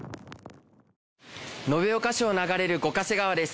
延岡市を流れる五ヶ瀬川です。